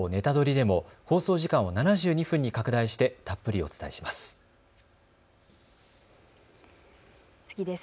でも放送時間を７２分に拡大してたっぷりお伝えします。